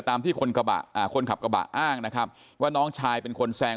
ที่คนกระบะอ่าคนขับกระบะอ้างนะครับว่าน้องชายเป็นคนแซง